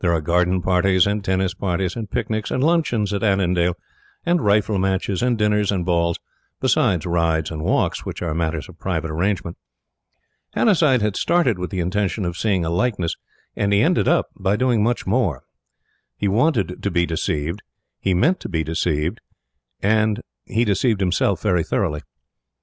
There are garden parties, and tennis parties, and picnics, and luncheons at Annandale, and rifle matches, and dinners and balls; besides rides and walks, which are matters of private arrangement. Hannasyde had started with the intention of seeing a likeness, and he ended by doing much more. He wanted to be deceived, he meant to be deceived, and he deceived himself very thoroughly.